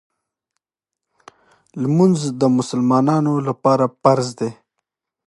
لمونځ د مسلمانانو لپاره فرض دی.